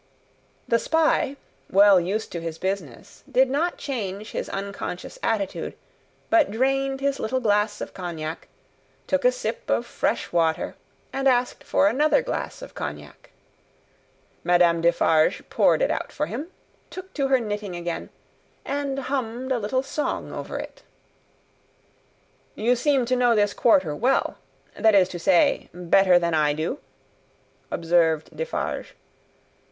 The spy, well used to his business, did not change his unconscious attitude, but drained his little glass of cognac, took a sip of fresh water, and asked for another glass of cognac. Madame Defarge poured it out for him, took to her knitting again, and hummed a little song over it. "You seem to know this quarter well; that is to say, better than I do?" observed Defarge.